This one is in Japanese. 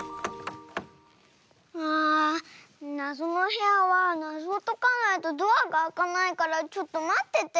あなぞのへやはなぞをとかないとドアがあかないからちょっとまってて。